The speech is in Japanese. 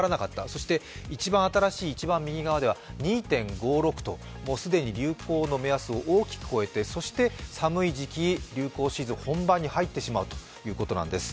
そして一番新しい、一番右側では２．５６ともう既に流行の目安を大きく超えてそして寒い時期、流行シーズン本番に入ってしまうということなんです。